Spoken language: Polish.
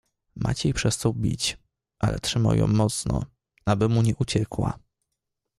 "Maciej przestał bić, ale trzymał ją mocno, aby mu nie uciekła."